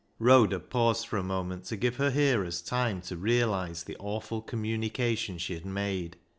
Rhoda paused for a moment to give her hearers time to realise the awful communication she had made.